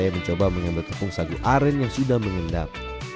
saya mencoba mengambil tepung sagu aren yang sudah mengendap